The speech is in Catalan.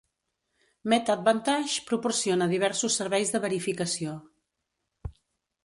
Med Advantage proporciona diversos serveis de verificació.